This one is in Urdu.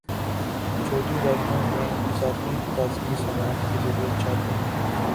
چھوٹی ویگنوں میں اضافی حفاظتی سامان کی ضرورت چاہتے ہیں